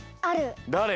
だれ？